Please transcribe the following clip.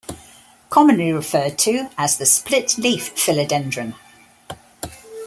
Commonly referred to as the Split Leaf Philodendron.